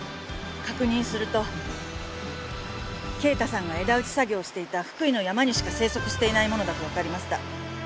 確認すると敬太さんが枝打ち作業をしていた福井の山にしか生息していないものだとわかりました。